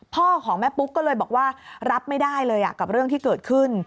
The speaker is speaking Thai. พ่อของแม่ปุ๊กก็เลยบอกว่ารับไม่ได้เลยกับเรื่องที่เกิดขึ้น